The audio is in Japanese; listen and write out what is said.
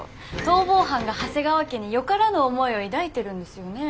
逃亡犯が長谷川家によからぬ思いを抱いてるんですよね？